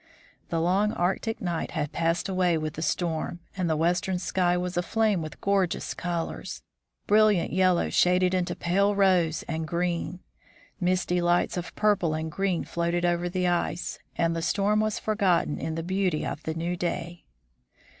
The long Arctic night had passed away with the storm, and the western sky was aflame with gorgeous colors ; brilliant yellow shaded into pale rose and green. Misty lights of purple and green floated over the ice, and the storm was forgotten in the beauty of the new day.